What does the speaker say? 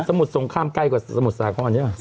สมุดสงครามใกล้กว่าสมุดสาครใช่ไหม